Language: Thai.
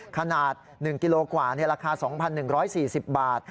ขนาด๑กิโลกว่าราคา๒๑๔๐บาท